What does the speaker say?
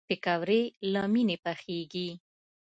پکورې له مینې پخېږي